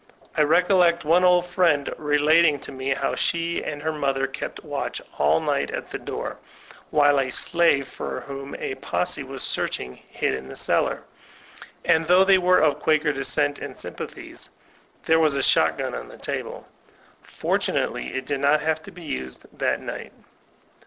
I recollect one old friend relating to me how she and her flM>ther kept watch all night at the door, while a slave for whom a posse was searching hid in the cellar ; and though they were of Quaker descent and sympathies, there was a shot gun on the table. Fortunately it did not have to be used that night.